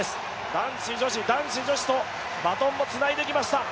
男子、女子、男子、女子とバトンをつないできました。